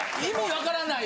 わからない